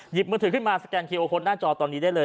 หยิบมือถือขึ้นมาสแกนทีโอคนหน้าจอตอนนี้ได้เลย